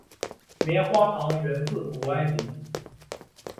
棉花糖源自古埃及。